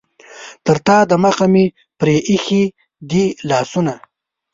تر تا دمخه مې پرې ایښي دي لاسونه.